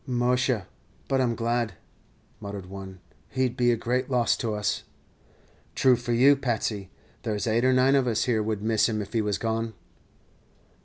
"Musha, but I 'm glad," muttered one; "he 'd be a great loss to us." "True for you, Patsey; there's eight or nine of us here would miss him if he was gone."